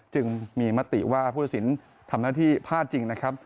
จึงมีมติว่าผู้ตัดสินทำหน้าที่พลาดจริงนะครับ